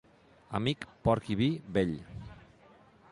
Amic, porc i vi, vell.